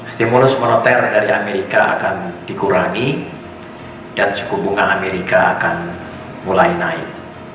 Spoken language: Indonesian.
stimulus moneter dari amerika akan dikurangi dan suku bunga amerika akan mulai naik